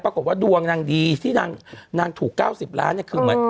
ปรากฏว่าดวงนางดีที่นางถูก๙๐ล้านเนี่ยคือเหมือน